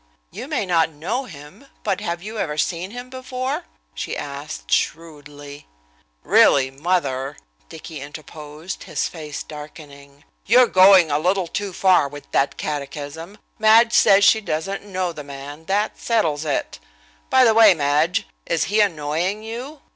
"You may not know him, but have you ever seen him before?" she asked, shrewdly. "Really, mother," Dicky interposed, his face darkening, "you're going a little too far with that catechism. Madge says she doesn't know the man, that settles it. By the way, Madge, is he annoying you?